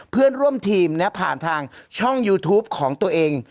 เพื่อนร่วมทีมผ่านทางช่องยูทูปของตัวเอง